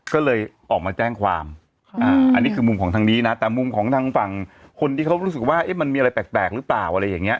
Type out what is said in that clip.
ก็เลยออกมาแจ้งความอันนี้คือมุมของทางนี้นะแต่มุมของทางฝั่งคนที่เขารู้สึกว่ามันมีอะไรแปลกหรือเปล่าอะไรอย่างนี้